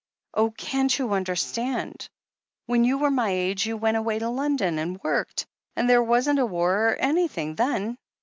Oh, can't you understand ? When you were my age you went away to London and worked — ^and there wasn't a war or anything then."